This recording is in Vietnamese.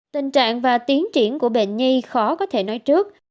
tình trạng và tiến triển của bệnh nhi khó có thể nói trước